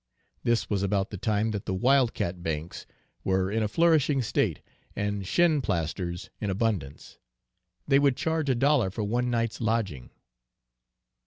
This was about the time that the "wild cat banks" were in a flourishing state, and "shin plasters" in abundance; they would charge a dollar for one night's lodging.